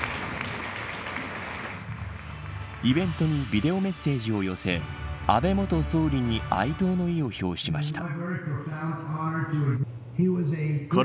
イベントにビデオメッセージを寄せ安倍元総理に哀悼の意を表しました。